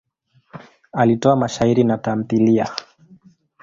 Alitoa mashairi na tamthiliya.